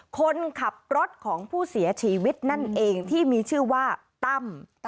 คนขับรถของผู้เสียชีวิตนั่นเองที่มีชื่อว่าตั้ม